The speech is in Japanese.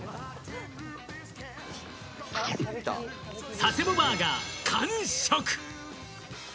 佐世保バーガー完食！